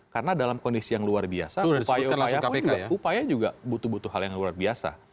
karena dalam kondisi yang luar biasa upaya juga butuh butuh hal yang luar biasa